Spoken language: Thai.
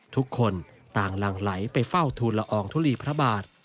ทุกคนต่างหลังไหลไปเฝ้าทูลละอองทุลีพระบาท